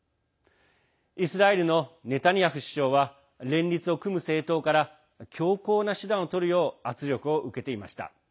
イスラエルのネタニヤフ首相は連立を組む政党から強硬な手段をとるよう圧力を受けていました。